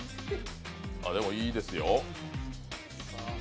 でもいいですよ。